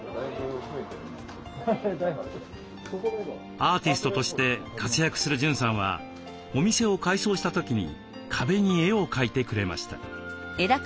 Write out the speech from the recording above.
アーティストとして活躍する潤さんはお店を改装した時に壁に絵を描いてくれました。